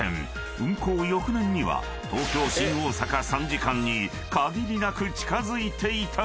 ［運行翌年には東京新大阪３時間に限りなく近づいていたのだ］